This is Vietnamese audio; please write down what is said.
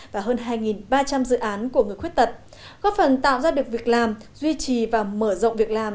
và hơn hai ba trăm linh dự án của người khuyết tật góp phần tạo ra được việc làm duy trì và mở rộng việc làm